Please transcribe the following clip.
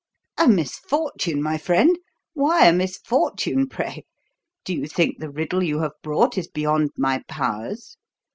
"A misfortune, my friend? Why a 'misfortune,' pray? Do you think the riddle you have brought is beyond my powers?"